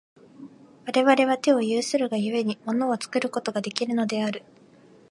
我々は手を有するが故に、物を作ることができるのである。